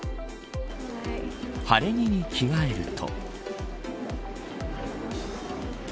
晴れ着に着替えると。